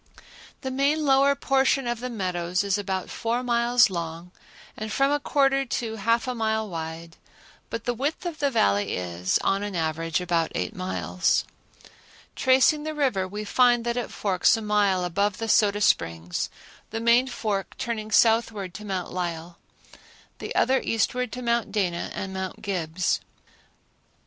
The main lower portion of the meadows is about four miles long and from a quarter to half a mile wide, but the width of the Valley is, on an average, about eight miles. Tracing the river, we find that it forks a mile above the Soda Springs, the main fork turning southward to Mount Lyell, the other eastward to Mount Dana and Mount Gibbs.